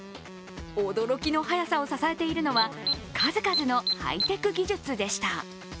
驚きの早さを支えているのは数々のハイテク技術でした。